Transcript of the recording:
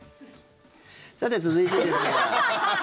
さて、続いてですが。